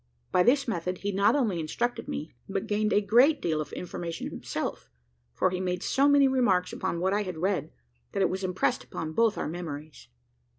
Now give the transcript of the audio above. By this method, he not only instructed me, but gained a great deal of information himself; for he made so many remarks upon what I had read, that it was impressed upon both our memories.